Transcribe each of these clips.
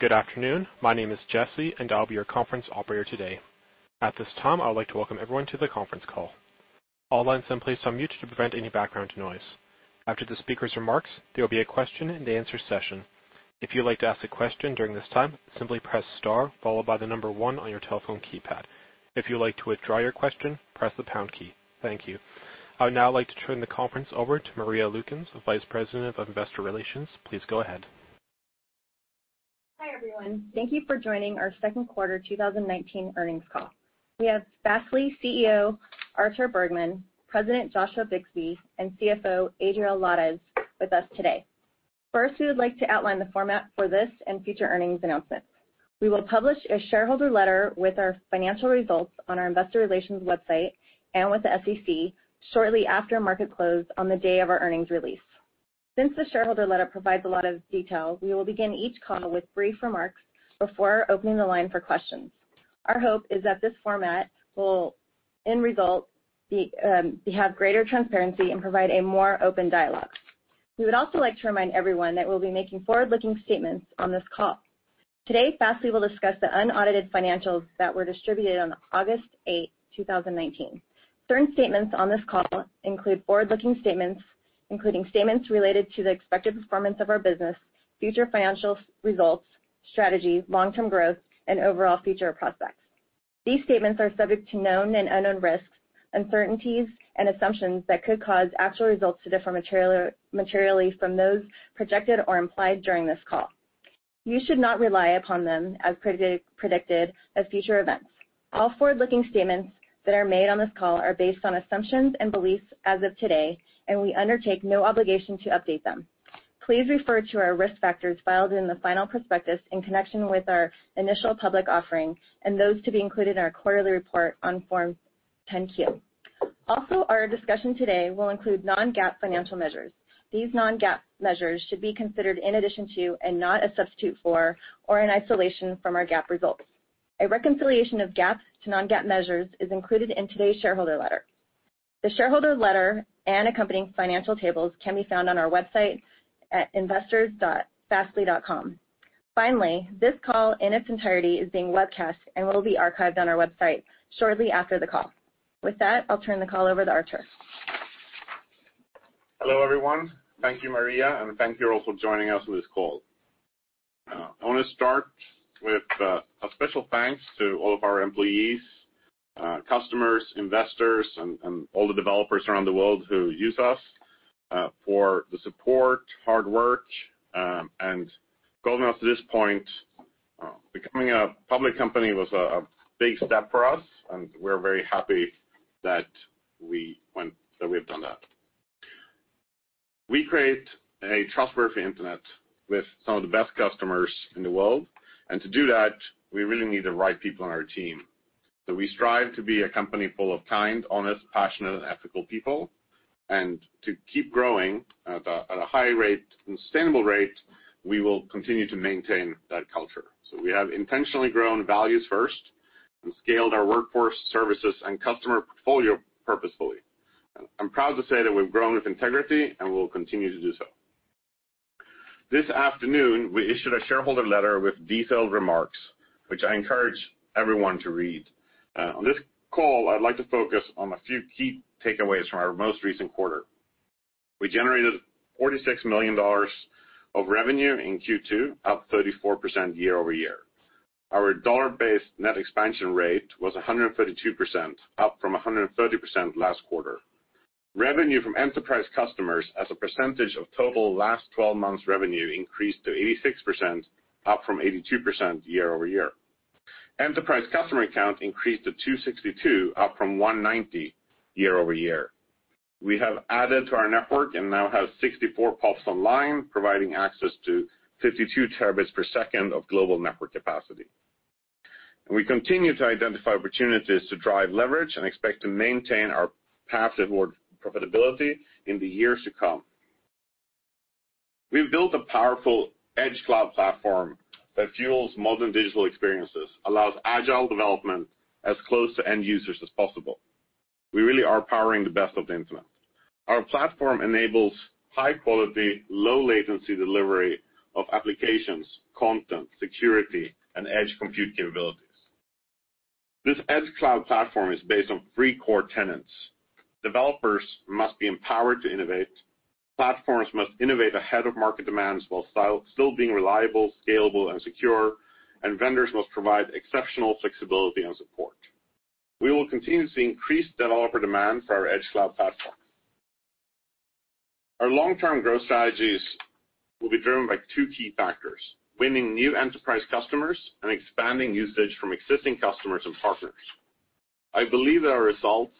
Good afternoon. My name is Jesse, and I'll be your conference operator today. At this time, I would like to welcome everyone to the conference call. All lines and please on mute to prevent any background noise. After the speaker's remarks, there will be a question and answer session. If you'd like to ask a question during this time, simply press star followed by the number 1 on your telephone keypad. If you'd like to withdraw your question, press the pound key. Thank you. I would now like to turn the conference over to Maria Lukens, Vice President of Investor Relations. Please go ahead. Hi, everyone. Thank you for joining our second quarter 2019 earnings call. We have Fastly CEO, Artur Bergman, President Joshua Bixby, and CFO Adriel Lares with us today. First, we would like to outline the format for this and future earnings announcements. We will publish a shareholder letter with our financial results on our investor relations website and with the SEC shortly after market close on the day of our earnings release. Since the shareholder letter provides a lot of detail, we will begin each call with brief remarks before opening the line for questions. Our hope is that this format will end result have greater transparency and provide a more open dialogue. We would also like to remind everyone that we'll be making forward-looking statements on this call. Today, Fastly will discuss the unaudited financials that were distributed on August 8, 2019. Certain statements on this call include forward-looking statements, including statements related to the expected performance of our business, future financial results, strategy, long-term growth, and overall future prospects. These statements are subject to known and unknown risks, uncertainties, and assumptions that could cause actual results to differ materially from those projected or implied during this call. You should not rely upon them as predicted as future events. All forward-looking statements that are made on this call are based on assumptions and beliefs as of today, and we undertake no obligation to update them. Please refer to our risk factors filed in the final prospectus in connection with our initial public offering and those to be included in our quarterly report on Form 10-Q. Our discussion today will include non-GAAP financial measures. These non-GAAP measures should be considered in addition to and not a substitute for or in isolation from our GAAP results. A reconciliation of GAAP to non-GAAP measures is included in today's shareholder letter. The shareholder letter and accompanying financial tables can be found on our website at investors.fastly.com. Finally, this call in its entirety is being webcast and will be archived on our website shortly after the call. With that, I'll turn the call over to Artur. Hello, everyone. Thank you, Maria, and thank you all for joining us for this call. I want to start with a special thanks to all of our employees, customers, investors, and all the developers around the world who use us, for the support, hard work, and got us to this point. Becoming a public company was a big step for us. We're very happy that we've done that. We create a trustworthy internet with some of the best customers in the world. To do that, we really need the right people on our team. We strive to be a company full of kind, honest, passionate, ethical people. To keep growing at a high rate, sustainable rate, we will continue to maintain that culture. We have intentionally grown values first and scaled our workforce services and customer portfolio purposefully. I'm proud to say that we've grown with integrity and will continue to do so. This afternoon, we issued a shareholder letter with detailed remarks, which I encourage everyone to read. On this call, I'd like to focus on a few key takeaways from our most recent quarter. We generated $46 million of revenue in Q2, up 34% year-over-year. Our dollar-based net expansion rate was 132%, up from 130% last quarter. Revenue from enterprise customers as a percentage of total last 12 months revenue increased to 86%, up from 82% year-over-year. Enterprise customer count increased to 262, up from 190 year-over-year. We have added to our network and now have 64 PoPs online, providing access to 52 terabits per second of global network capacity. We continue to identify opportunities to drive leverage and expect to maintain our path toward profitability in the years to come. We've built a powerful Edge Cloud platform that fuels modern digital experiences, allows agile development as close to end users as possible. We really are powering the best of the internet. Our platform enables high quality, low latency delivery of applications, content, security, and edge compute capabilities. This Edge Cloud platform is based on three core tenets. Developers must be empowered to innovate, platforms must innovate ahead of market demands while still being reliable, scalable, and secure, and vendors must provide exceptional flexibility and support. We will continue to see increased developer demand for our Edge Cloud platform. Our long-term growth strategies will be driven by two key factors, winning new enterprise customers and expanding usage from existing customers and partners. I believe that our results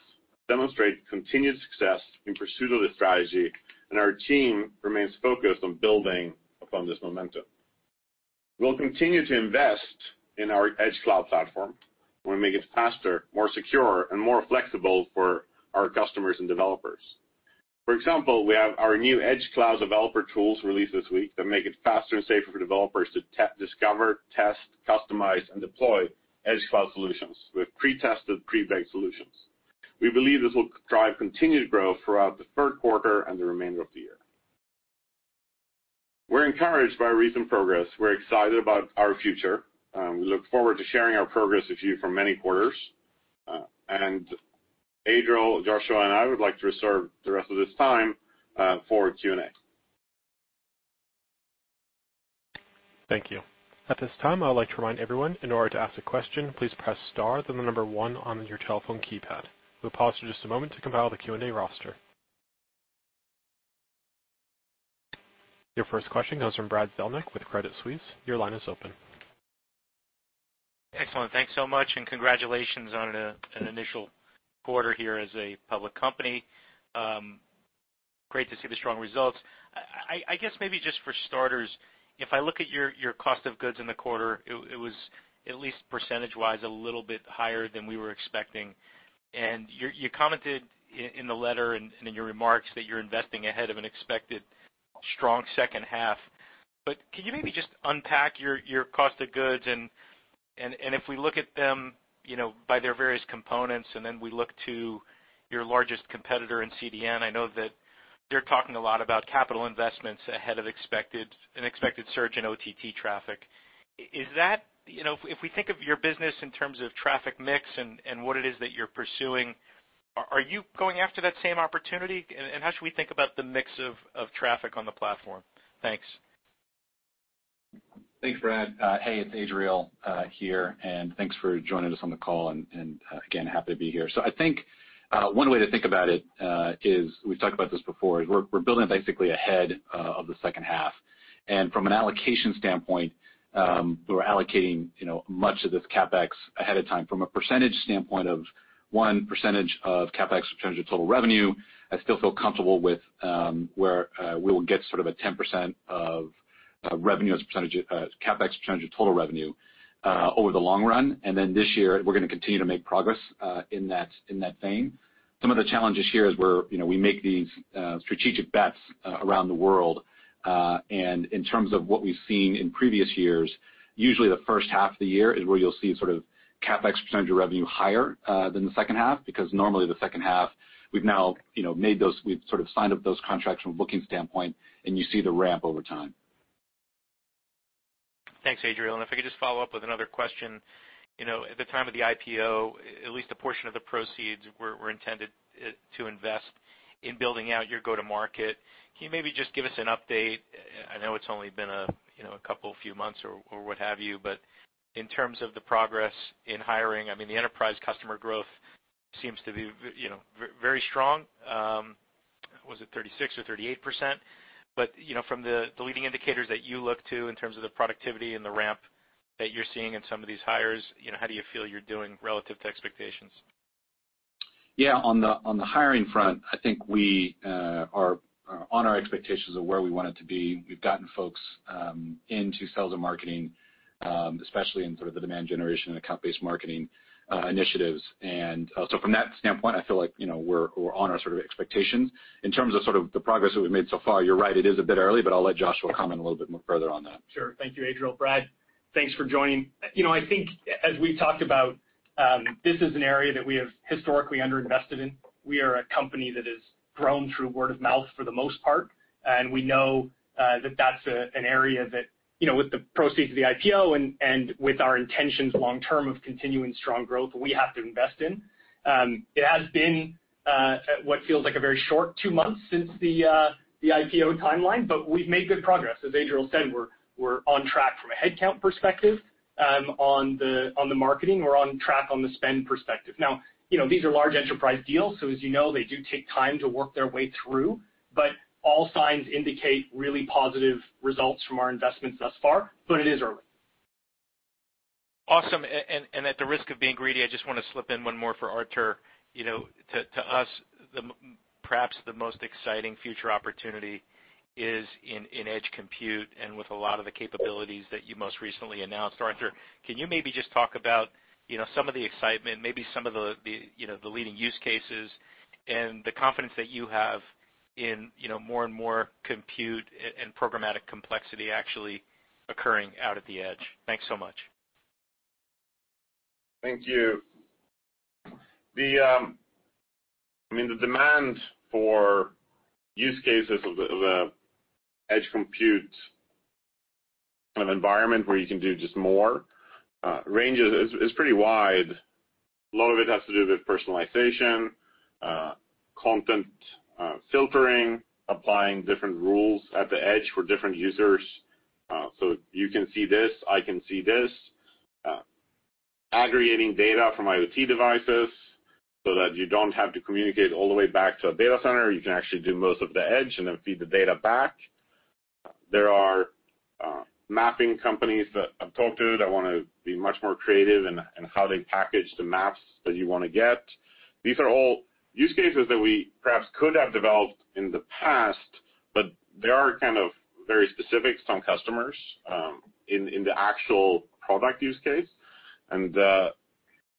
demonstrate continued success in pursuit of this strategy, and our team remains focused on building upon this momentum. We'll continue to invest in our Edge Cloud platform. We'll make it faster, more secure, and more flexible for our customers and developers. For example, we have our new Edge Cloud developer tools released this week that make it faster and safer for developers to discover, test, customize, and deploy Edge Cloud solutions with pre-tested, pre-baked solutions. We believe this will drive continued growth throughout the third quarter and the remainder of the year. We're encouraged by our recent progress. We're excited about our future. We look forward to sharing our progress with you for many quarters. Adriel, Joshua, and I would like to reserve the rest of this time for Q&A. Thank you. At this time, I would like to remind everyone, in order to ask a question, please press star, then the number 1 on your telephone keypad. We'll pause for just a moment to compile the Q&A roster. Your first question comes from Brad Zelnick with Credit Suisse. Your line is open. Excellent. Thanks so much. Congratulations on an initial quarter here as a public company. Great to see the strong results. I guess maybe just for starters, if I look at your cost of goods in the quarter, it was at least percentage-wise, a little bit higher than we were expecting. You commented in the letter and in your remarks that you're investing ahead of an expected strong second half. Can you maybe just unpack your cost of goods? If we look at them by their various components and then we look to your largest competitor in CDN, I know that they're talking a lot about capital investments ahead of an expected surge in OTT traffic. If we think of your business in terms of traffic mix and what it is that you're pursuing, are you going after that same opportunity? How should we think about the mix of traffic on the platform? Thanks. Thanks, Brad. Hey, it's Adriel here, and thanks for joining us on the call, and again, happy to be here. I think, one way to think about it is, we've talked about this before, is we're building basically ahead of the second half. From an allocation standpoint, we're allocating much of this CapEx ahead of time. From a percentage standpoint of one, percentage of CapEx, percentage of total revenue, I still feel comfortable with where we will get sort of a 10% of revenue as percentage of CapEx, percentage of total revenue over the long run. This year, we're going to continue to make progress in that vein. Some of the challenges here is we make these strategic bets around the world. In terms of what we've seen in previous years, usually the first half of the year is where you'll see CapEx percentage of revenue higher than the second half, because normally the second half, we've now signed up those contracts from a booking standpoint and you see the ramp over time. Thanks, Adriel. If I could just follow up with another question. At the time of the IPO, at least a portion of the proceeds were intended to invest in building out your go-to-market. Can you maybe just give us an update? I know it's only been a couple few months or what have you, but in terms of the progress in hiring, I mean, the enterprise customer growth seems to be very strong. Was it 36% or 38%? From the leading indicators that you look to in terms of the productivity and the ramp that you're seeing in some of these hires, how do you feel you're doing relative to expectations? Yeah. On the hiring front, I think we are on our expectations of where we want it to be. We've gotten folks into sales and marketing, especially in sort of the demand generation and account-based marketing initiatives. From that standpoint, I feel like we're on our sort of expectations. In terms of sort of the progress that we've made so far, you're right, it is a bit early, but I'll let Joshua comment a little bit more further on that. Sure. Thank you, Adriel. Brad, thanks for joining. I think as we've talked about, this is an area that we have historically underinvested in. We are a company that has grown through word of mouth for the most part, and we know that that's an area that, with the proceeds of the IPO and with our intentions long term of continuing strong growth, we have to invest in. It has been what feels like a very short two months since the IPO timeline, but we've made good progress. As Adriel said, we're on track from a headcount perspective. On the marketing, we're on track on the spend perspective. Now, these are large enterprise deals, so as you know, they do take time to work their way through, but all signs indicate really positive results from our investments thus far, but it is early. Awesome. At the risk of being greedy, I just want to slip in one more for Artur. To us, perhaps the most exciting future opportunity is in edge compute and with a lot of the capabilities that you most recently announced. Artur, can you maybe just talk about some of the excitement, maybe some of the leading use cases, and the confidence that you have in more and more compute and programmatic complexity actually occurring out at the edge? Thanks so much. Thank you. The demand for use cases of the edge compute kind of environment where you can do just more, range is pretty wide. A lot of it has to do with personalization, content filtering, applying different rules at the edge for different users. You can see this, I can see this. Aggregating data from IoT devices so that you don't have to communicate all the way back to a data center. You can actually do most of the edge and then feed the data back. There are mapping companies that I've talked to that want to be much more creative in how they package the maps that you want to get. These are all use cases that we perhaps could have developed in the past, but they are kind of very specific to some customers in the actual product use case.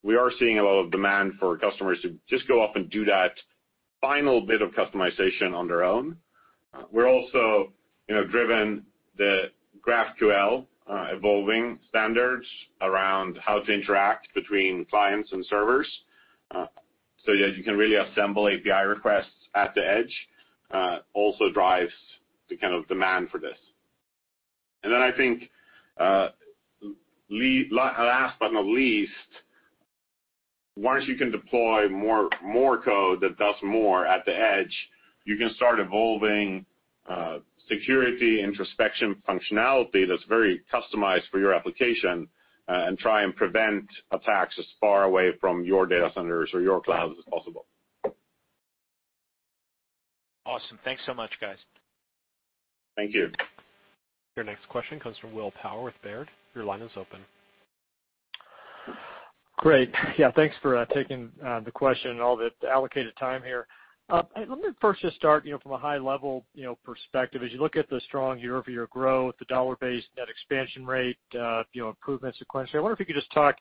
We are seeing a lot of demand for customers to just go off and do that final bit of customization on their own. We're also driven the GraphQL evolving standards around how to interact between clients and servers. You can really assemble API requests at the edge, also drives the kind of demand for this. I think, last but not least, once you can deploy more code that does more at the edge, you can start evolving security introspection functionality that's very customized for your application, and try and prevent attacks as far away from your data centers or your clouds as possible. Awesome. Thanks so much, guys. Thank you. Your next question comes from Will Power with Baird. Your line is open. Great. Yeah, thanks for taking the question and all the allocated time here. Let me first just start from a high-level perspective. As you look at the strong year-over-year growth, the dollar-based net expansion rate, improvement sequentially, I wonder if you could just talk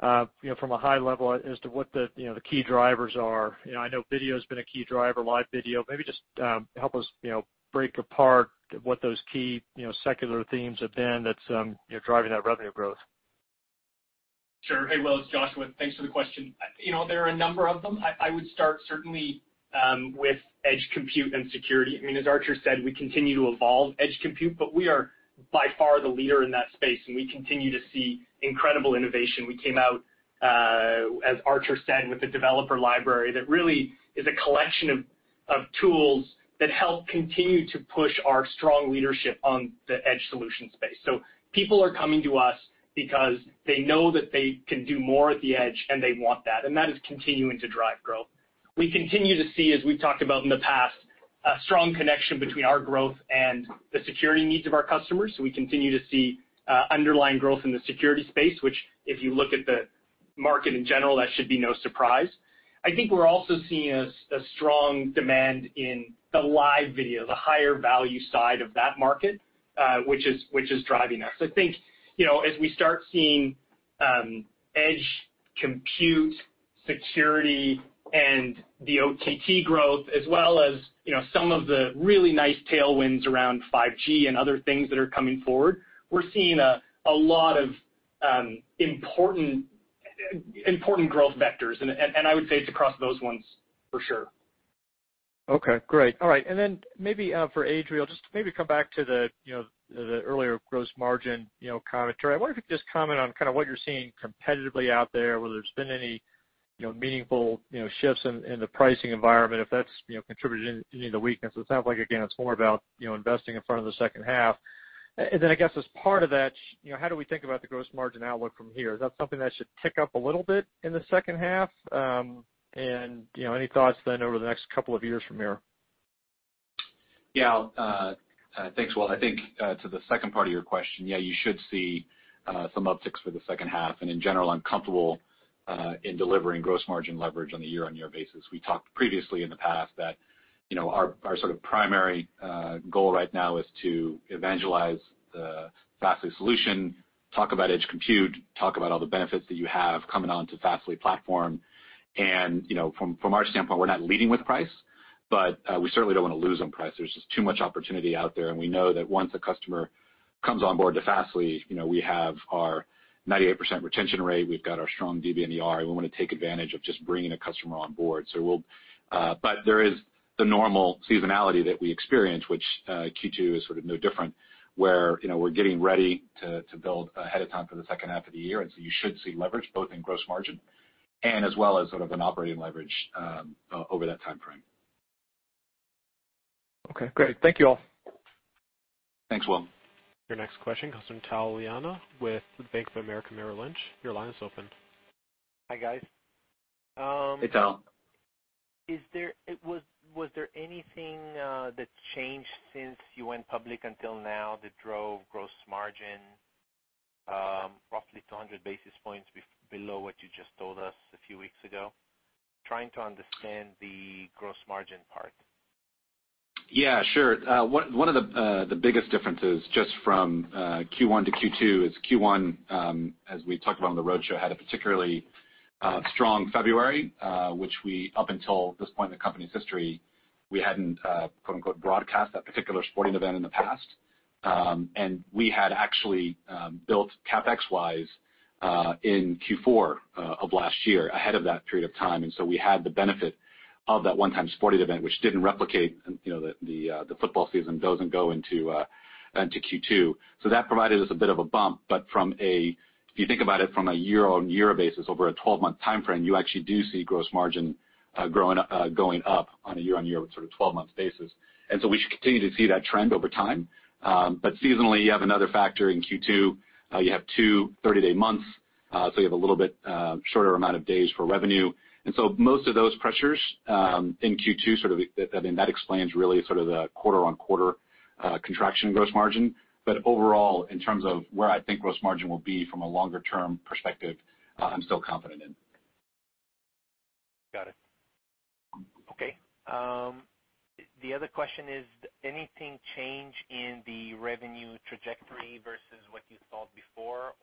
from a high level as to what the key drivers are. I know video's been a key driver, live video. Maybe just help us break apart what those key secular themes have been that's driving that revenue growth. Sure. Hey, Will, it's Joshua. Thanks for the question. There are a number of them. I would start certainly with edge compute and security. As Archer said, we continue to evolve edge compute, but we are by far the leader in that space, and we continue to see incredible innovation. We came out, as Artur said, with a developer library that really is a collection of tools that help continue to push our strong leadership on the edge solution space. People are coming to us because they know that they can do more at the edge, and they want that. That is continuing to drive growth. We continue to see, as we've talked about in the past, a strong connection between our growth and the security needs of our customers. We continue to see underlying growth in the security space, which, if you look at the market in general, that should be no surprise. I think we're also seeing a strong demand in the live video, the higher value side of that market, which is driving us. I think as we start seeing edge compute security and the OTT growth, as well as some of the really nice tailwinds around 5G and other things that are coming forward, we're seeing a lot of important growth vectors. I would say it's across those ones for sure. Okay, great. All right. Maybe for Adriel, just maybe come back to the earlier gross margin commentary. I wonder if you could just comment on kind of what you're seeing competitively out there, whether there's been any meaningful shifts in the pricing environment, if that's contributed any of the weakness. It sounds like, again, it's more about investing in front of the second half. I guess as part of that, how do we think about the gross margin outlook from here? Is that something that should tick up a little bit in the second half? Any thoughts then over the next couple of years from here? Thanks, Will. I think to the second part of your question, yeah, you should see some upticks for the second half. In general, I'm comfortable in delivering gross margin leverage on a year-on-year basis. We talked previously in the past that our sort of primary goal right now is to evangelize the Fastly solution, talk about edge compute, talk about all the benefits that you have coming onto Fastly platform. From our standpoint, we're not leading with price. We certainly don't want to lose on price. There's just too much opportunity out there, and we know that once a customer comes on board to Fastly, we have our 98% retention rate, we've got our strong DBNER, and we want to take advantage of just bringing a customer on board. There is the normal seasonality that we experience, which Q2 is sort of no different, where we're getting ready to build ahead of time for the second half of the year. You should see leverage both in gross margin and as well as sort of an operating leverage over that timeframe. Okay, great. Thank you all. Thanks, Will. Your next question comes from Tal Liani with Bank of America Merrill Lynch. Your line is open. Hi, guys. Hey, Tal. Was there anything that changed since you went public until now that drove gross margin roughly 200 basis points below what you just told us a few weeks ago? Trying to understand the gross margin part. Sure. One of the biggest differences just from Q1 to Q2 is Q1, as we talked about on the roadshow, had a particularly strong February, which we, up until this point in the company's history, we hadn't quote unquote "broadcast" that particular sporting event in the past. We had actually built CapEx-wise, in Q4 of last year, ahead of that period of time. So we had the benefit of that one-time sporting event, which didn't replicate. The football season doesn't go into Q2. That provided us a bit of a bump. If you think about it from a year-on-year basis over a 12-month timeframe, you actually do see gross margin going up on a year-on-year sort of 12-month basis. So we should continue to see that trend over time. Seasonally, you have another factor in Q2. You have two 30-day months. You have a little bit shorter amount of days for revenue. Most of those pressures in Q2, that explains really sort of the quarter-on-quarter contraction in gross margin. Overall, in terms of where I think gross margin will be from a longer-term perspective, I'm still confident in. Got it. Okay. The other question is anything change in the revenue trajectory versus what you thought before?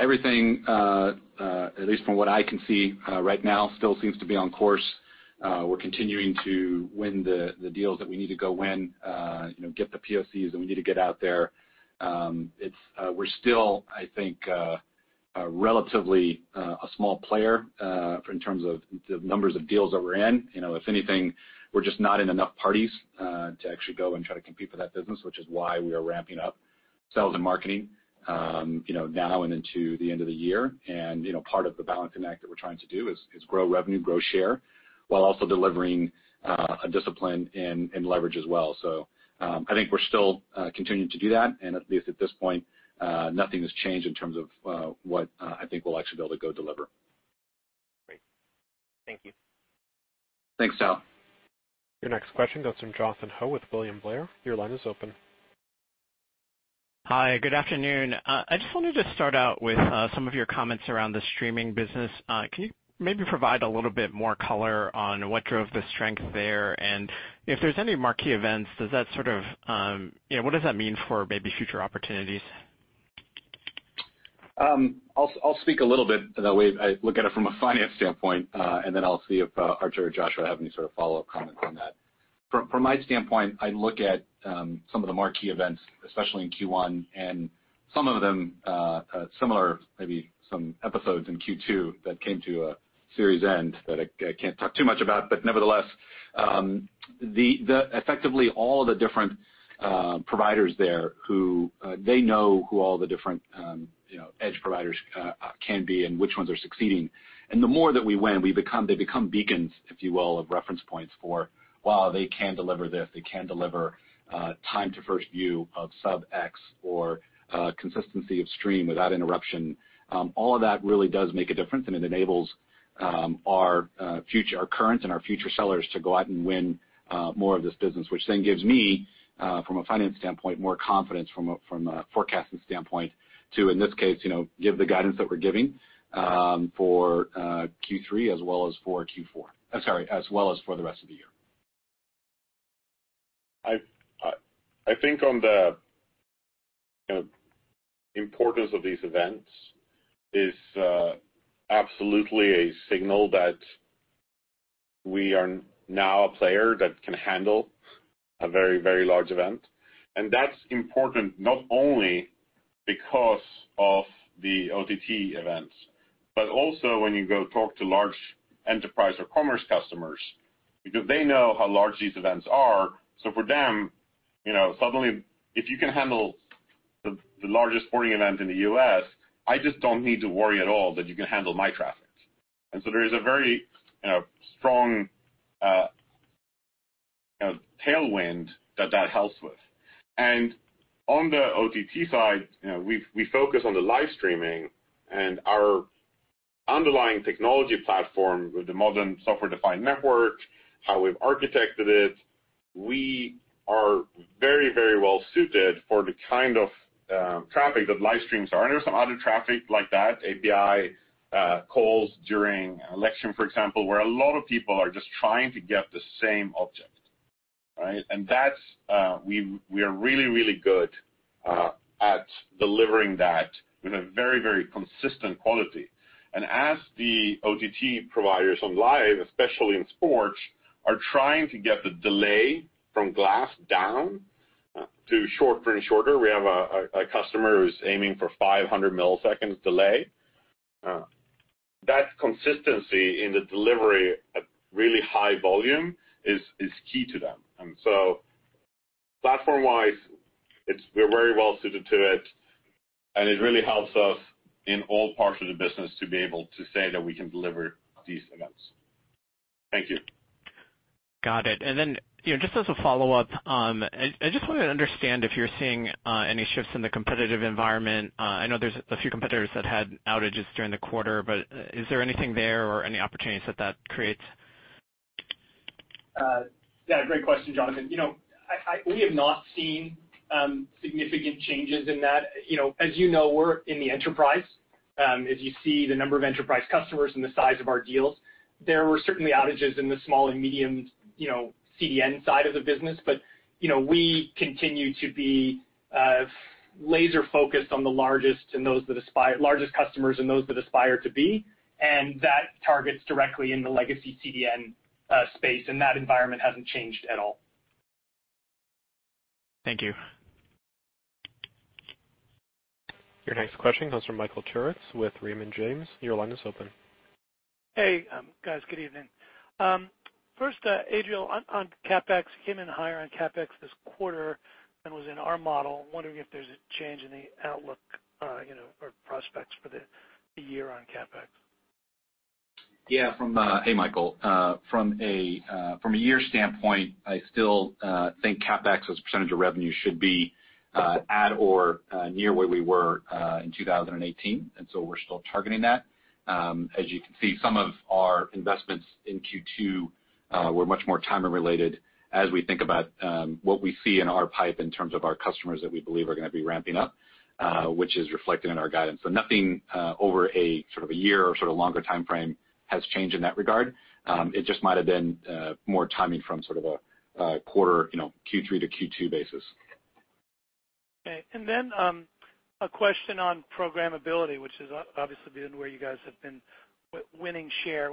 Everything, at least from what I can see right now, still seems to be on course. We're continuing to win the deals that we need to go win, get the POCs that we need to get out there. We're still, I think, relatively a small player in terms of the numbers of deals that we're in. If anything, we're just not in enough parties to actually go and try to compete for that business, which is why we are ramping up sales and marketing now and into the end of the year. Part of the balancing act that we're trying to do is grow revenue, grow share, while also delivering a discipline in leverage as well. I think we're still continuing to do that, and at least at this point, nothing has changed in terms of what I think we'll actually be able to go deliver. Great. Thank you. Thanks, Tal. Your next question comes from Jonathan Ho with William Blair. Your line is open. Hi, good afternoon. I just wanted to start out with some of your comments around the streaming business. Can you maybe provide a little bit more color on what drove the strength there? If there's any marquee events, what does that mean for maybe future opportunities? I'll speak a little bit that way. I look at it from a finance standpoint, and then I'll see if Artur or Joshua have any sort of follow-up comments on that. From my standpoint, I look at some of the marquee events, especially in Q1, and some of them similar, maybe some episodes in Q2 that came to a series end that I can't talk too much about. Nevertheless, effectively all the different providers there who they know who all the different edge providers can be and which ones are succeeding. The more that we win, they become beacons, if you will, of reference points for, wow, they can deliver this, they can deliver time to first view of sub X or consistency of stream without interruption. All of that really does make a difference, and it enables our current and our future sellers to go out and win more of this business, which then gives me, from a finance standpoint, more confidence from a forecasting standpoint to, in this case, give the guidance that we're giving for Q3 as well as for Q4. I'm sorry, as well as for the rest of the year. I think on the importance of these events is absolutely a signal that we are now a player that can handle a very large event. That's important not only because of the OTT events, but also when you go talk to large enterprise or commerce customers, because they know how large these events are. For them, suddenly, if you can handle the largest sporting event in the U.S., I just don't need to worry at all that you can handle my traffic. There is a very strong tailwind that that helps with. On the OTT side, we focus on the live streaming and our underlying technology platform with the modern software-defined network, how we've architected it. We are very well-suited for the kind of traffic that livestreams are. There's some other traffic like that, API calls during election, for example, where a lot of people are just trying to get the same object. Right? We are really good at delivering that with a very consistent quality. As the OTT providers on live, especially in sports, are trying to get the delay from glass down to shorter and shorter, we have a customer who's aiming for 500 milliseconds delay. That consistency in the delivery at really high volume is key to them. Platform-wise, we're very well-suited to it, and it really helps us in all parts of the business to be able to say that we can deliver these events. Thank you. Got it. Just as a follow-up, I just wanted to understand if you're seeing any shifts in the competitive environment. I know there's a few competitors that had outages during the quarter, is there anything there or any opportunities that that creates? Yeah, great question, Jonathan. We have not seen significant changes in that. As you know, we're in the enterprise. If you see the number of enterprise customers and the size of our deals, there were certainly outages in the small and medium CDN side of the business. We continue to be laser-focused on the largest customers and those that aspire to be, and that targets directly in the legacy CDN space, and that environment hasn't changed at all. Thank you. Your next question comes from Michael Turits with Raymond James. Your line is open. Hey, guys. Good evening. First, Adriel, on CapEx, came in higher on CapEx this quarter than was in our model. I'm wondering if there's a change in the outlook or prospects for the year on CapEx. Yeah. Hey, Michael. From a year standpoint, I still think CapEx as a percentage of revenue should be at or near where we were in 2018, and so we're still targeting that. As you can see, some of our investments in Q2 were much more timing-related as we think about what we see in our pipe in terms of our customers that we believe are going to be ramping up, which is reflected in our guidance. Nothing over a year or longer timeframe has changed in that regard. It just might have been more timing from sort of a quarter, Q3 to Q2 basis. Okay. A question on programmability, which has obviously been where you guys have been winning share.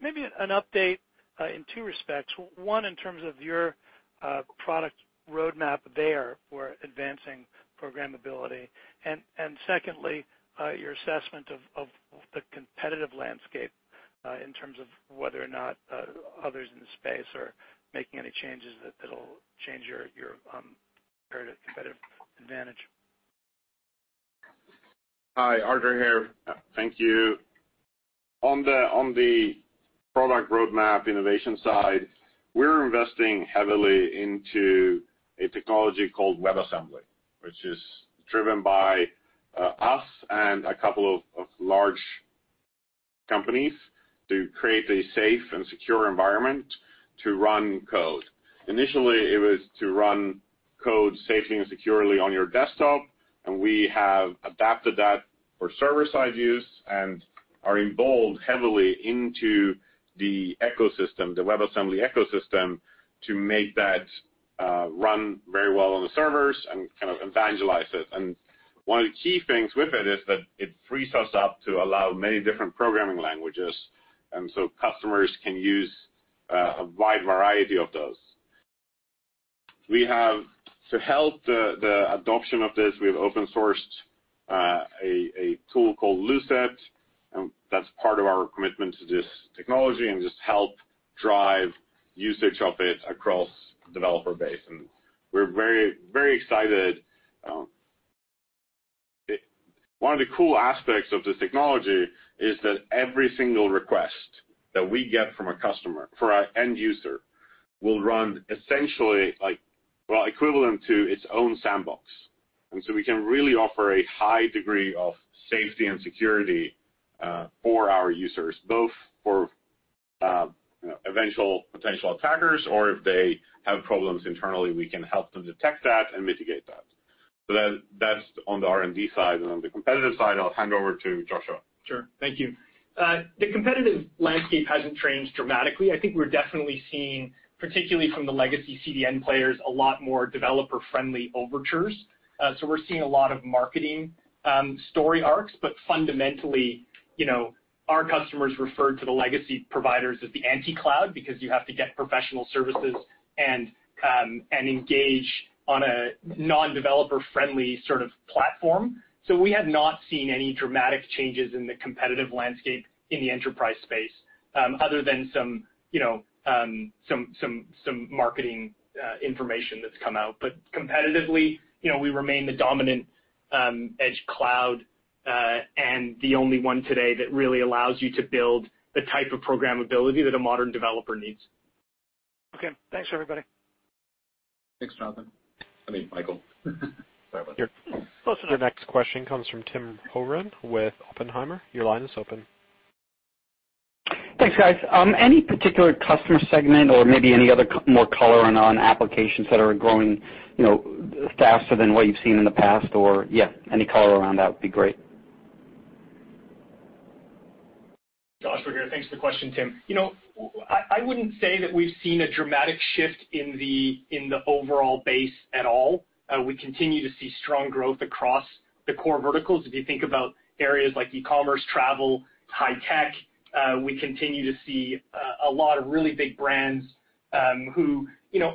Maybe an update in two respects. One, in terms of your product roadmap there for advancing programmability. Secondly, your assessment of the competitive landscape in terms of whether or not others in the space are making any changes that'll change your competitive advantage. Hi, Artur here. Thank you. On the product roadmap innovation side, we're investing heavily into a technology called WebAssembly, which is driven by us and a couple of large companies to create a safe and secure environment to run code. Initially, it was to run code safely and securely on your desktop. We have adapted that for server-side use and are involved heavily into the ecosystem, the WebAssembly ecosystem, to make that run very well on the servers and kind of evangelize it. One of the key things with it is that it frees us up to allow many different programming languages, and so customers can use a wide variety of those. To help the adoption of this, we've open-sourced a tool called Lucet, and that's part of our commitment to this technology and just help drive usage of it across developer base. We're very excited. One of the cool aspects of this technology is that every single request that we get from a customer, for our end user, will run essentially equivalent to its own sandbox. We can really offer a high degree of safety and security for our users, both for eventual potential attackers or if they have problems internally, we can help them detect that and mitigate that. That's on the R&D side. On the competitive side, I'll hand over to Joshua. Sure. Thank you. The competitive landscape hasn't changed dramatically. I think we're definitely seeing, particularly from the legacy CDN players, a lot more developer-friendly overtures. We're seeing a lot of marketing story arcs. Fundamentally, our customers referred to the legacy providers as the anti-cloud because you have to get professional services and engage on a non-developer-friendly sort of platform. We have not seen any dramatic changes in the competitive landscape in the enterprise space other than some marketing information that's come out. Competitively, we remain the dominant Edge Cloud, and the only one today that really allows you to build the type of programmability that a modern developer needs. Okay. Thanks, everybody. Thanks, Jonathan. I mean Michael. Sorry about that. Close enough. Your next question comes from Timothy Horan with Oppenheimer. Your line is open. Thanks, guys. Any particular customer segment or maybe any other more color on applications that are growing faster than what you've seen in the past or yeah, any color around that would be great? Joshua here. Thanks for the question, Tim. I wouldn't say that we've seen a dramatic shift in the overall base at all. We continue to see strong growth across the core verticals. If you think about areas like e-commerce, travel, high tech, we continue to see a lot of really big brands who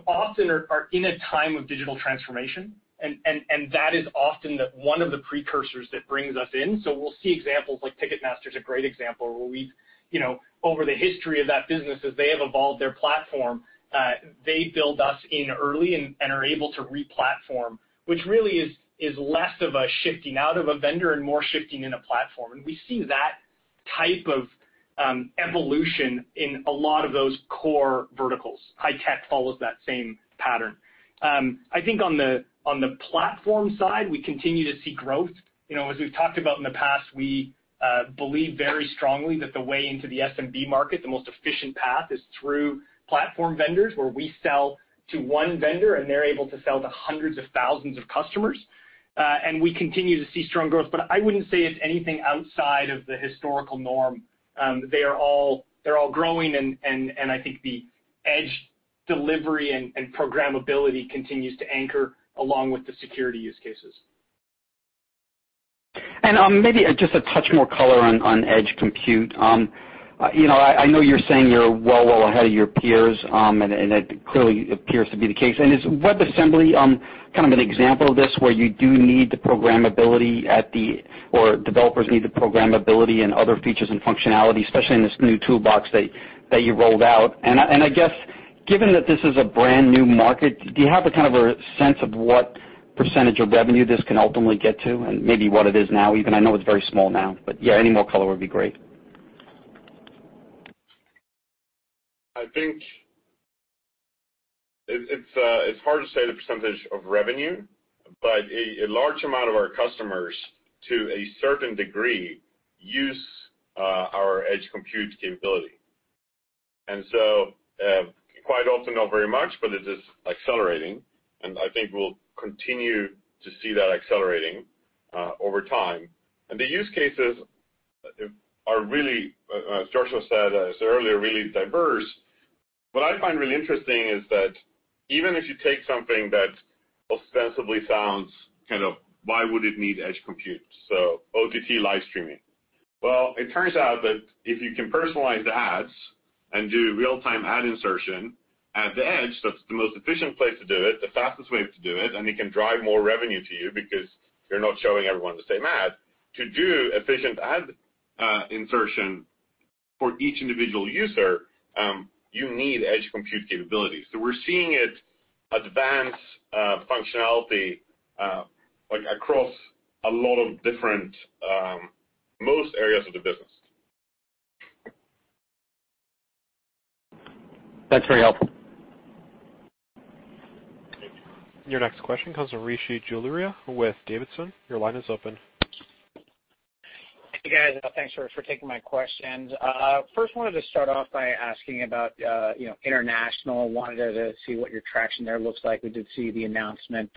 often are in a time of digital transformation, and that is often one of the precursors that brings us in. We'll see examples like Ticketmaster's a great example where we've, over the history of that business, as they have evolved their platform, they build us in early and are able to re-platform, which really is less of a shifting out of a vendor and more shifting in a platform. We see that type of evolution in a lot of those core verticals. High tech follows that same pattern. I think on the platform side, we continue to see growth. As we've talked about in the past, we believe very strongly that the way into the SMB market, the most efficient path, is through platform vendors, where we sell to one vendor, and they're able to sell to hundreds of thousands of customers. We continue to see strong growth. I wouldn't say it's anything outside of the historical norm. They're all growing, and I think the edge delivery and programmability continues to anchor along with the security use cases. Maybe just a touch more color on edge compute. I know you're saying you're well ahead of your peers, and that clearly appears to be the case. Is WebAssembly kind of an example of this, where you do need the programmability or developers need the programmability and other features and functionality, especially in this new toolbox that you rolled out? I guess, given that this is a brand-new market, do you have a sense of what percentage of revenue this can ultimately get to and maybe what it is now even? I know it's very small now, but yeah, any more color would be great. I think it's hard to say the percentage of revenue, but a large amount of our customers, to a certain degree, use our edge compute capabilities. So, quite often not very much, but it is accelerating, and I think we'll continue to see that accelerating over time. The use cases are really, as Joshua said earlier, really diverse. What I find really interesting is that even if you take something that ostensibly sounds kind of why would it need edge compute? OTT live streaming. Well, it turns out that if you can personalize the ads and do real-time ad insertion at the edge, that's the most efficient place to do it, the fastest way to do it, and it can drive more revenue to you because you're not showing everyone the same ad. To do efficient ad insertion for each individual user, you need edge compute capabilities. We're seeing it advance functionality across a lot of most areas of the business. That's very helpful. Your next question comes from Rishi Jaluria with D.A. Davidson. Your line is open. Hey, guys. Thanks for taking my questions. First, wanted to start off by asking about international. Wanted to see what your traction there looks like. We did see the announcement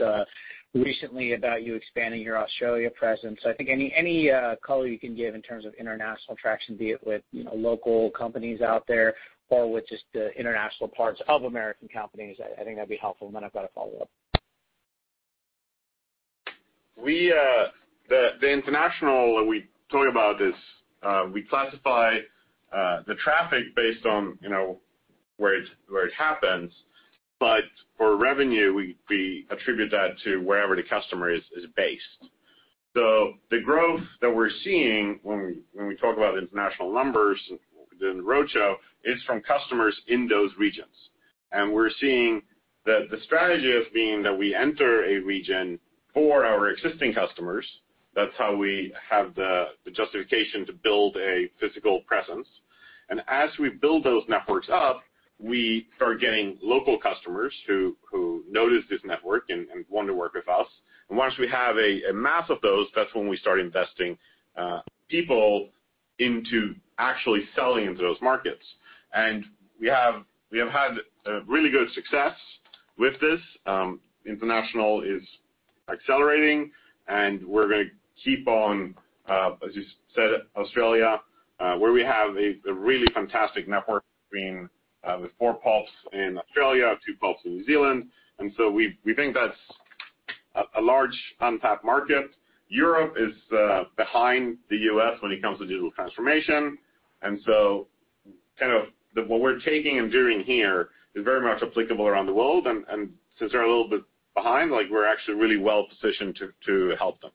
recently about you expanding your Australia presence. I think any color you can give in terms of international traction, be it with local companies out there or with just the international parts of American companies, I think that'd be helpful. Then I've got a follow-up. The international that we talk about is, we classify the traffic based on where it happens. For revenue, we attribute that to wherever the customer is based. The growth that we're seeing when we talk about international numbers within the roadshow, is from customers in those regions. We're seeing that the strategy of being that we enter a region for our existing customers, that's how we have the justification to build a physical presence. As we build those networks up, we are getting local customers who notice this network and want to work with us. Once we have a mass of those, that's when we start investing people into actually selling into those markets. We have had really good success with this. International is accelerating, and we're going to keep on, as you said, Australia, where we have a really fantastic network between the 4 PoPs in Australia, 2 PoPs in New Zealand, and so we think that's a large untapped market. Europe is behind the U.S. when it comes to digital transformation, and so what we're taking and doing here is very much applicable around the world. Since they're a little bit behind, we're actually really well-positioned to help them.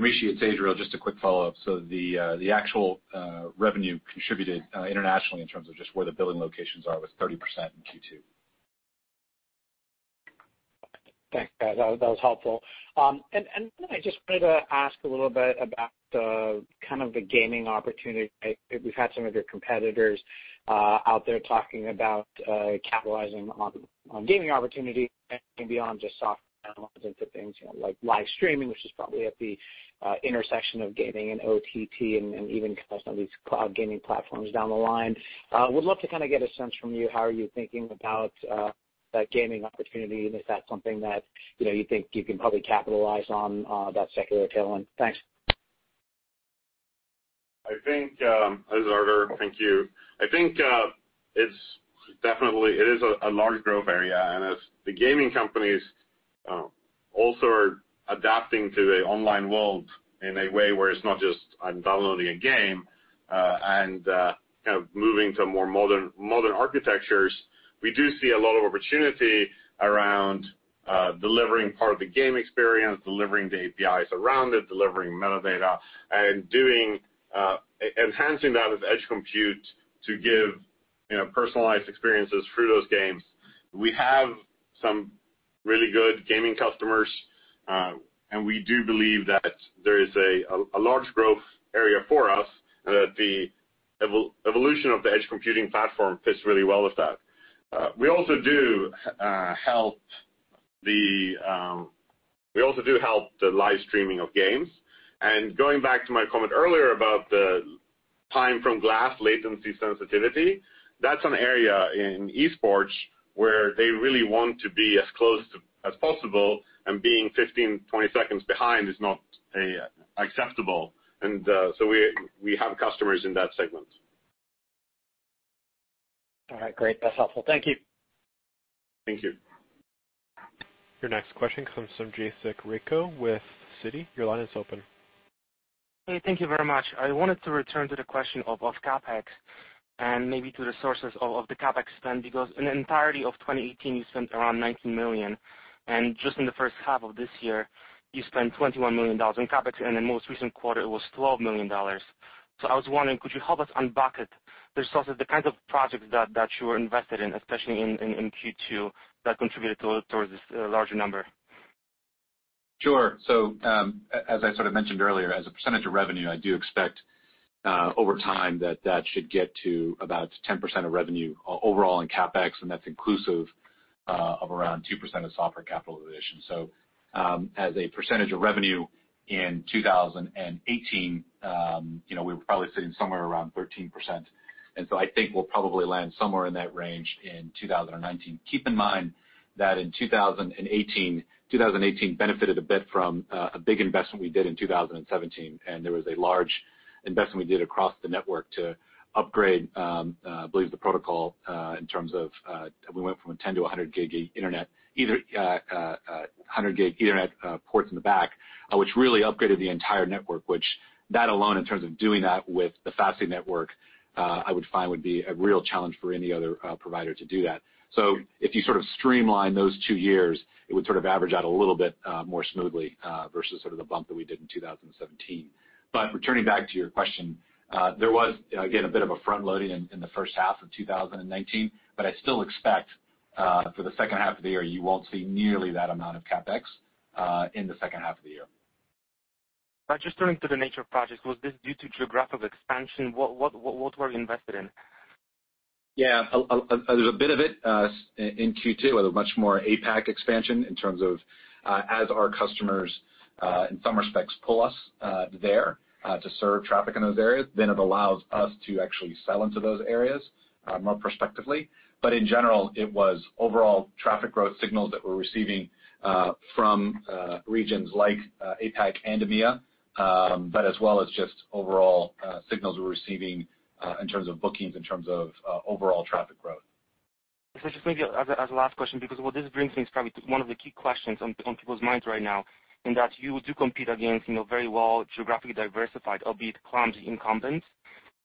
Rishi, it's Adriel. Just a quick follow-up. The actual revenue contributed internationally in terms of just where the billing locations are, was 30% in Q2. Thanks, guys. That was helpful. I just wanted to ask a little bit about the gaming opportunity. We've had some of your competitors out there talking about capitalizing on gaming opportunities and beyond just software and onto things like live streaming, which is probably at the intersection of gaming and OTT and even some of these cloud gaming platforms down the line. Would love to get a sense from you, how are you thinking about that gaming opportunity, and is that something that you think you can probably capitalize on that secular tailwind? Thanks. This is Artur. Thank you. I think definitely it is a large growth area. As the gaming companies also are adapting to an online world in a way where it's not just I'm downloading a game, and moving to more modern architectures, we do see a lot of opportunity around delivering part of the game experience, delivering the APIs around it, delivering metadata, and enhancing that with edge compute to give personalized experiences through those games. We have some really good gaming customers, and we do believe that there is a large growth area for us and that the evolution of the edge computing platform fits really well with that. We also do help the live streaming of games. Going back to my comment earlier about the time from glass latency sensitivity, that's an area in esports where they really want to be as close as possible, and being 15, 20 seconds behind is not acceptable. We have customers in that segment. All right, great. That's helpful. Thank you. Thank you. Your next question comes from Walter Pritchard with Citi. Your line is open. Hey, thank you very much. I wanted to return to the question of CapEx and maybe to the sources of the CapEx spend, because in the entirety of 2018, you spent around $19 million, and just in the first half of this year, you spent $21 million in CapEx, and in most recent quarter, it was $12 million. I was wondering, could you help us unbucket the sources, the kinds of projects that you were invested in, especially in Q2, that contributed towards this larger number? Sure. As I sort of mentioned earlier, as a percentage of revenue, I do expect over time that that should get to about 10% of revenue overall in CapEx. That's inclusive of around 2% of software capital additions. As a percentage of revenue in 2018, we were probably sitting somewhere around 13%. I think we'll probably land somewhere in that range in 2019. Keep in mind that in 2018 benefited a bit from a big investment we did in 2017, and there was a large investment we did across the network to upgrade, I believe the protocol, in terms of, we went from a 10-100 gig ethernet, either 100 gig internet ports in the back, which really upgraded the entire network, which that alone, in terms of doing that with the Fastly network, I would find would be a real challenge for any other provider to do that. If you sort of streamline those two years, it would sort of average out a little bit more smoothly, versus sort of the bump that we did in 2017. Returning back to your question, there was, again, a bit of a front-loading in the first half of 2019. I still expect, for the second half of the year, you won't see nearly that amount of CapEx in the second half of the year. Right. Just turning to the nature of projects, was this due to geographic expansion? What were you invested in? There's a bit of it in Q2, with a much more APAC expansion in terms of, as our customers, in some respects, pull us there to serve traffic in those areas, then it allows us to actually sell into those areas more prospectively. In general, it was overall traffic growth signals that we're receiving from regions like APAC and EMEA, as well as just overall signals we're receiving in terms of bookings, in terms of overall traffic growth. Just maybe as a last question, because what this brings me is probably to one of the key questions on people's minds right now, in that you do compete against very well geographically diversified, albeit clumsy incumbents.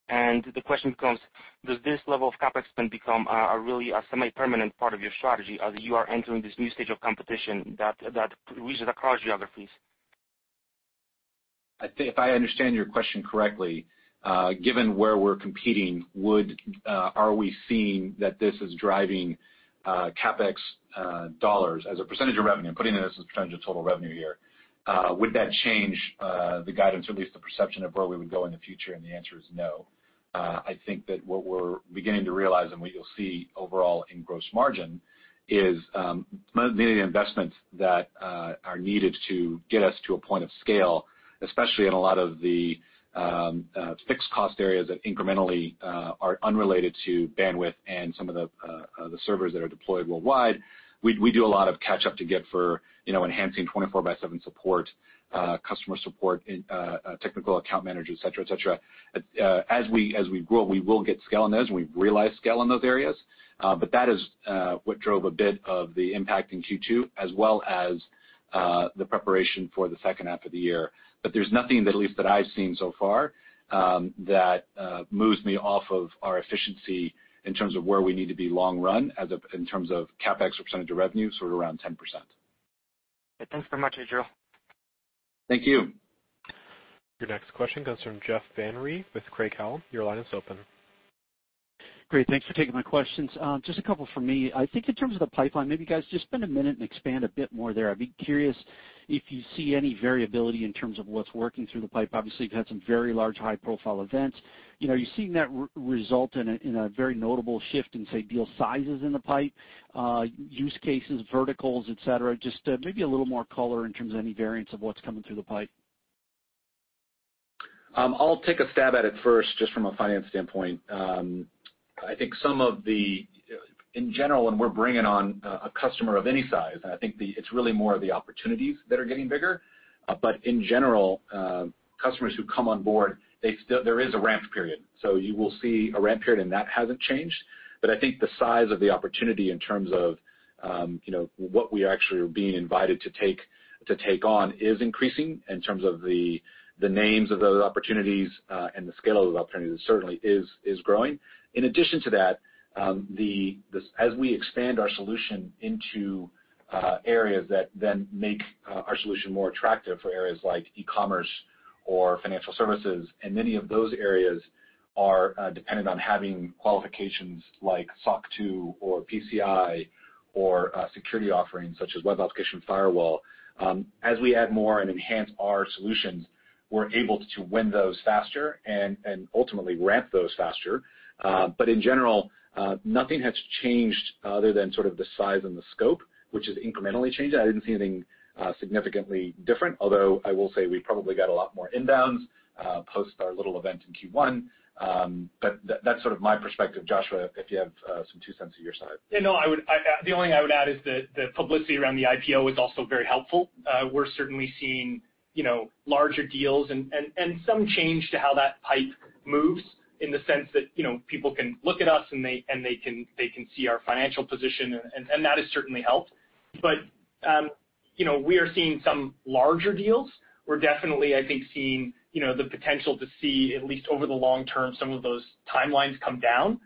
The question becomes, does this level of CapEx spend become a really semi-permanent part of your strategy as you are entering this new stage of competition that reaches across geographies? If I understand your question correctly, given where we're competing, are we seeing that this is driving CapEx dollars as a percentage of revenue? I'm putting this as a percentage of total revenue here. Would that change the guidance, or at least the perception of where we would go in the future? The answer is no. I think that what we're beginning to realize and what you'll see overall in gross margin is many of the investments that are needed to get us to a point of scale, especially in a lot of the fixed cost areas that incrementally are unrelated to bandwidth and some of the servers that are deployed worldwide. We do a lot of catch up to get for enhancing 24 by seven support, customer support, technical account managers, et cetera. As we grow, we will get scale on those, and we realize scale in those areas. That is what drove a bit of the impact in Q2 as well as the preparation for the second half of the year. There's nothing, at least that I've seen so far, that moves me off of our efficiency in terms of where we need to be long run in terms of CapEx or % of revenue, sort of around 10%. Thanks very much, Adriel. Thank you. Your next question comes from Jeff Van Rhee with Craig-Hallum. Your line is open. Great. Thanks for taking my questions. Just a couple from me. I think in terms of the pipeline, maybe, guys, just spend a minute and expand a bit more there. I'd be curious if you see any variability in terms of what's working through the pipe. Obviously, you've had some very large, high-profile events. Are you seeing that result in a very notable shift in, say, deal sizes in the pipe, use cases, verticals, et cetera? Just maybe a little more color in terms of any variance of what's coming through the pipe. I'll take a stab at it first, just from a finance standpoint. I think in general, when we're bringing on a customer of any size, and I think it's really more of the opportunities that are getting bigger. In general, customers who come on board, there is a ramp period. You will see a ramp period, and that hasn't changed. I think the size of the opportunity in terms of what we actually are being invited to take on is increasing in terms of the names of those opportunities, and the scale of those opportunities certainly is growing. In addition to that, as we expand our solution into areas that then make our solution more attractive for areas like e-commerce or financial services, Many of those areas are dependent on having qualifications like SOC 2 or PCI or security offerings such as web application firewall. As we add more and enhance our solutions, we're able to win those faster and ultimately ramp those faster. In general, nothing has changed other than sort of the size and the scope, which has incrementally changed. I didn't see anything significantly different, although I will say we probably got a lot more inbounds post our little event in Q1. That's sort of my perspective. Joshua, if you have some two cents on your side. No. The only thing I would add is that the publicity around the IPO was also very helpful. We're certainly seeing larger deals and some change to how that pipe moves in the sense that people can look at us, and they can see our financial position, and that has certainly helped. We are seeing some larger deals. We're definitely, I think, seeing the potential to see, at least over the long term, some of those timelines come down,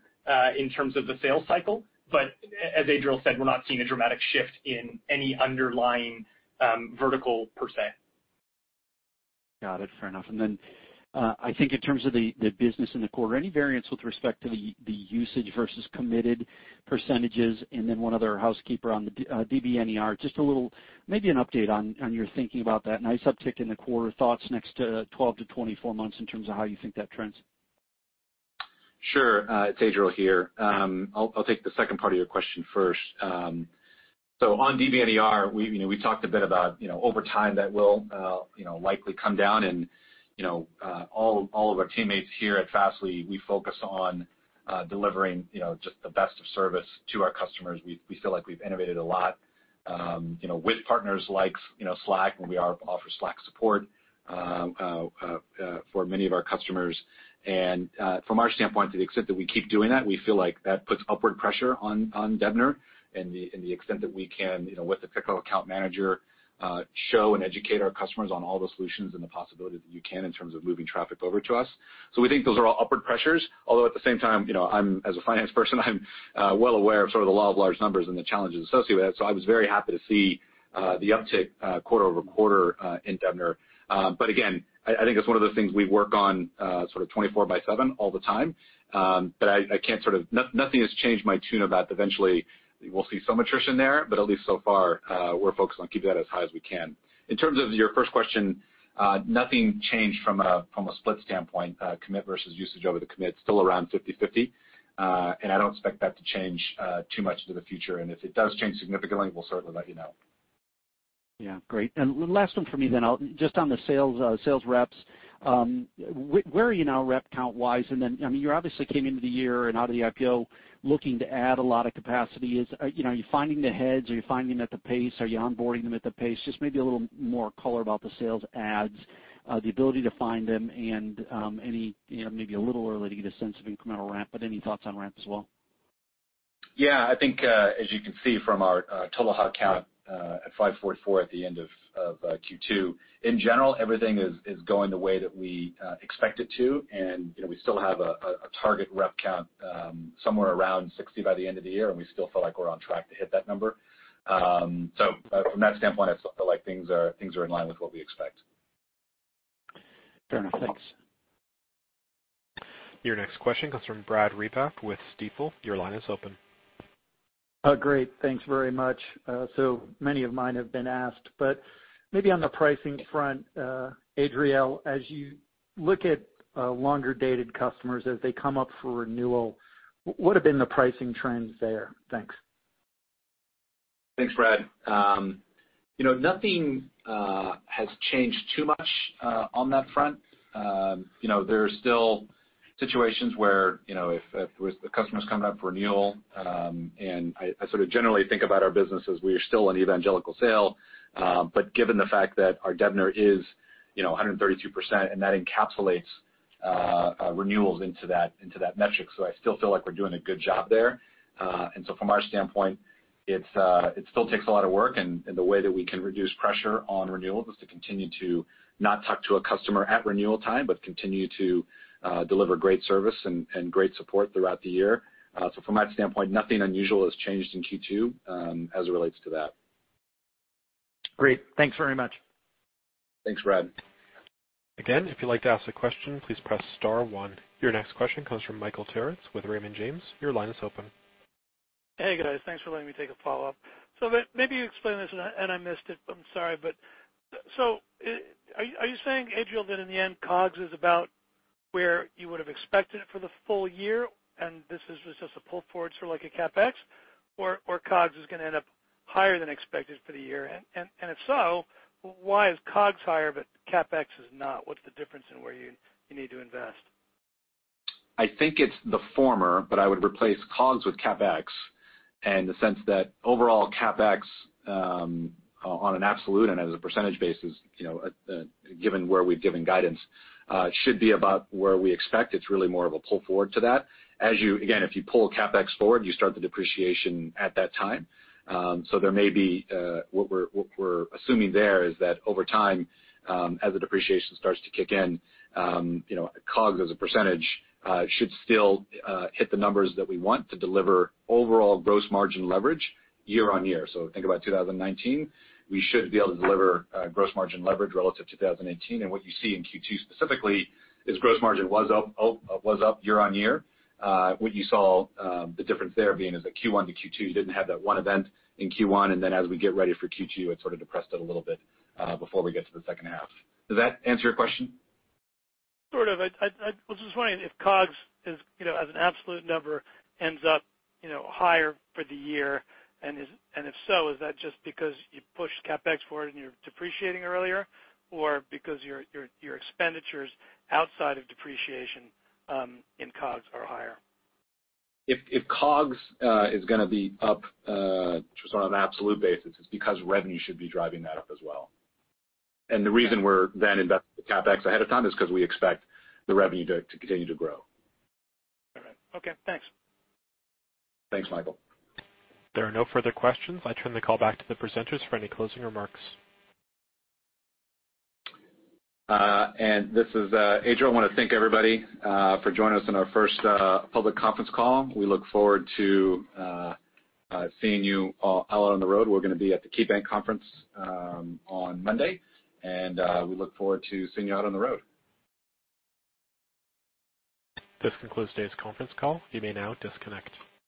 in terms of the sales cycle. As Adriel said, we're not seeing a dramatic shift in any underlying vertical per se. Got it. Fair enough. I think in terms of the business in the quarter, any variance with respect to the usage versus committed percentages? One other housekeeper on DBNER, just a little, maybe an update on your thinking about that nice uptick in the quarter. Thoughts next 12 to 24 months in terms of how you think that trends? Sure. It's Adriel here. I'll take the second part of your question first. On DBNER, we talked a bit about, over time that will likely come down. All of our teammates here at Fastly, we focus on delivering just the best of service to our customers. We feel like we've innovated a lot with partners like Slack. We offer Slack support for many of our customers. From our standpoint, to the extent that we keep doing that, we feel like that puts upward pressure on DBNER. The extent that we can, with the technical account manager, show and educate our customers on all those solutions and the possibility that you can in terms of moving traffic over to us. We think those are all upward pressures. Although at the same time, as a finance person, I'm well aware of the law of large numbers and the challenges associated with that. I was very happy to see the uptick quarter over quarter in DBNER. Again, I think it's one of those things we work on sort of 24 by seven all the time. Nothing has changed my tune about eventually we'll see some attrition there, but at least so far, we're focused on keeping that as high as we can. In terms of your first question, nothing changed from a split standpoint. Commit versus usage over the commit, still around 50/50. I don't expect that to change too much into the future, and if it does change significantly, we'll certainly let you know. Yeah. Great. Last one from me then. Just on the sales reps, where are you now rep count-wise? You obviously came into the year and out of the IPO looking to add a lot of capacity. Are you finding the heads? Are you finding them at the pace? Are you onboarding them at the pace? Just maybe a little more color about the sales adds, the ability to find them, and maybe a little early to get a sense of incremental ramp, but any thoughts on ramp as well? I think, as you can see from our total headcount, at 544 at the end of Q2, in general, everything is going the way that we expect it to, and we still have a target rep count somewhere around 60 by the end of the year, and we still feel like we're on track to hit that number. From that standpoint, I feel like things are in line with what we expect. Fair enough. Thanks. Your next question comes from Brad Reback with Stifel. Your line is open. Great. Thanks very much. Many of mine have been asked, but maybe on the pricing front, Adriel, as you look at longer-dated customers as they come up for renewal, what have been the pricing trends there? Thanks. Thanks, Brad. Nothing has changed too much on that front. There are still situations where if the customer's coming up for renewal, I sort of generally think about our business as we are still an evangelical sale. Given the fact that our DBNER is 132%, that encapsulates renewals into that metric, I still feel like we're doing a good job there. From our standpoint, it still takes a lot of work, the way that we can reduce pressure on renewals is to continue to not talk to a customer at renewal time, continue to deliver great service and great support throughout the year. From that standpoint, nothing unusual has changed in Q2, as it relates to that. Great. Thanks very much. Thanks, Brad. Again, if you'd like to ask a question, please press star one. Your next question comes from Michael Turits with Raymond James. Your line is open. Hey, guys. Thanks for letting me take a follow-up. Maybe you explained this and I missed it, I'm sorry, are you saying, Adriel, that in the end, COGS is about where you would've expected it for the full year, and this is just a pull forward, sort of like a CapEx? COGS is going to end up higher than expected for the year? If so, why is COGS higher but CapEx is not? What's the difference in where you need to invest? I think it's the former, but I would replace COGS with CapEx in the sense that overall CapEx, on an absolute and as a percentage basis, given where we've given guidance, should be about where we expect. It's really more of a pull forward to that. Again, if you pull CapEx forward, you start the depreciation at that time. There may be, what we're assuming there is that over time, as the depreciation starts to kick in, COGS as a percentage, should still hit the numbers that we want to deliver overall gross margin leverage year-on-year. Think about 2019, we should be able to deliver gross margin leverage relative to 2018. What you see in Q2 specifically is gross margin was up year-on-year. What you saw, the difference there being is that Q1 to Q2, you didn't have that one event in Q1, and then as we get ready for Q2, it sort of depressed it a little bit before we get to the second half. Does that answer your question? Sort of. I was just wondering if COGS, as an absolute number, ends up higher for the year, and if so, is that just because you pushed CapEx forward and you're depreciating earlier, or because your expenditures outside of depreciation in COGS are higher? If COGS is going to be up just on an absolute basis, it's because revenue should be driving that up as well. The reason we're then investing the CapEx ahead of time is because we expect the revenue to continue to grow. All right. Okay, thanks. Thanks, Michael. There are no further questions. I turn the call back to the presenters for any closing remarks. This is Adriel. I want to thank everybody for joining us on our first public conference call. We look forward to seeing you all out on the road. We're going to be at the KeyBanc conference on Monday. We look forward to seeing you out on the road. This concludes today's conference call. You may now disconnect.